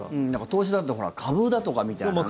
投資だと株だとかみたいな話？